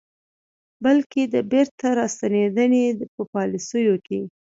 بلکې د بیرته راستنېدنې په پالیسیو کې